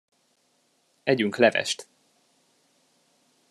Együnk levest!